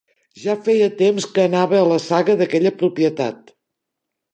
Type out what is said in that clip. Ja feia temps que anava a la saga d'aquella propietat.